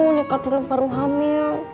nikah dulu baru hamil